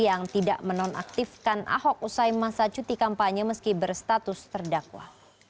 yang tidak menonaktifkan ahok usai masa cuti kampanye meski berstatus terdakwa